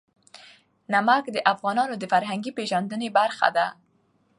نمک د افغانانو د فرهنګي پیژندنې برخه ده.